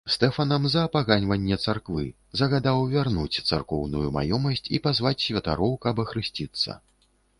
Стэфанам за апаганьванне царквы, загадаў вярнуць царкоўную маёмасць і пазваць святароў, каб ахрысціцца.